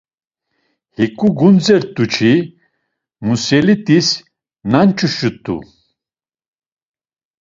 Hik̆u gundzetu-çi Msuletis nonç̆uşut̆u.